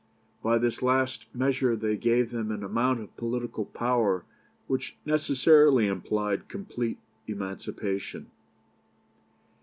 By this last measure they gave them an amount of political power which necessarily implied complete emancipation.